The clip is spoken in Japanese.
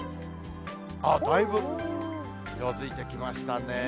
だいぶ色づいてきましたね。